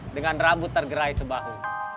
dengan rambut tergerai sebahu